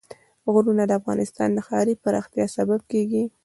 غرونه د افغانستان د ښاري پراختیا سبب کېږي.